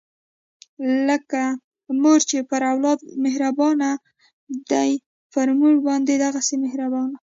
لکه مور چې پر اولاد وي مهربانه، دی پر مونږ باندې دغهسې مهربانه